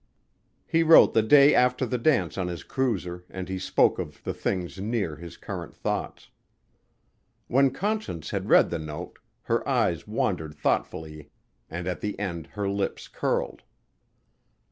He wrote the day after the dance on his cruiser and he spoke of the things near his current thoughts. When Conscience had read the note, her eyes wandered thoughtfully and at the end her lips curled.